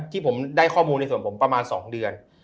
ที่ผมได้ข้อมูลในส่วนผมประมาณ๒เดือน